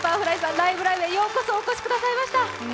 ライブ！」へようこそお越しくださいました。